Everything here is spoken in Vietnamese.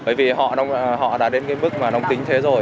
bởi vì họ đã đến mức nóng tính thế rồi